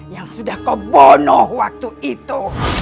yang sudah kau bonoh waktu itu